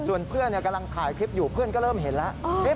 ส่วนเพื่อนกำลังถ่ายคลิปอยู่เพื่อนก็เริ่มเห็นแล้ว